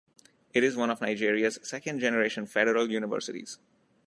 It is one of Nigeria's second generation federal universities.